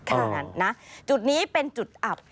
อย่างนั้นนะจุดนี้เป็นจุดอับ